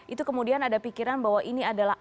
itu kemudian ada pikiran bahwa ini adalah